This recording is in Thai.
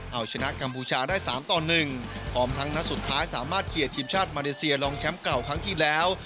เอาชนะกัมพูชาได้๓ต่อ๑พร้อมทั้งนัดสุดท้ายสามารถเคลียร์ทีมชาติมาเลเซียลองแชมป์เก่าครั้งที่แล้ว